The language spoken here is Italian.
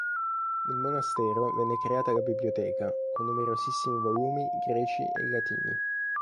Nel monastero venne creata la biblioteca, con numerosissimi volumi greci e latini.